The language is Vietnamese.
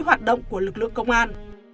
hoạt động của lực lượng công an